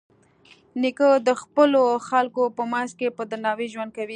نیکه د خپلو خلکو په منځ کې په درناوي ژوند کوي.